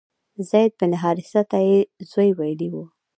زید بن حارثه ته یې زوی ویلي و.